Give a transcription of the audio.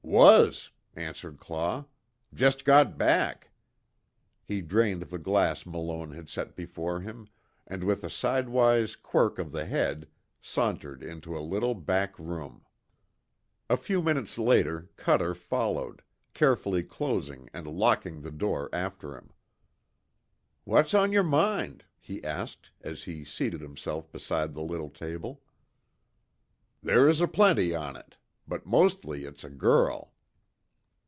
"Was," answered Claw, "Jest got back," he drained the glass Malone had set before him, and with a sidewise quirk of the head, sauntered into a little back room. A few minutes later, Cuter followed, carefully closing and locking the door after him: "What's on yer mind?" he asked, as he seated himself beside the little table. "They's aplenty on it. But mostly it's a girl."